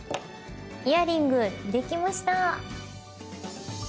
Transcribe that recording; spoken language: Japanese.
イヤリングできました。